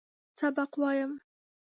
سبق وایم.